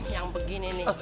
yang begini nih